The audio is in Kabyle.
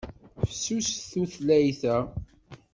Fessuset tutlayt-a.